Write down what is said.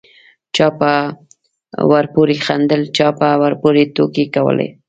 چا به ورپورې خندل چا به ورپورې ټوکې کولې.